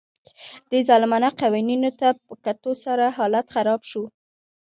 دې ظالمانه قوانینو ته په کتو سره حالت خراب شو